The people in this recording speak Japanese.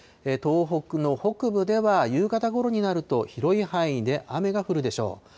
東北の北部では夕方ごろになると、広い範囲で雨が降るでしょう。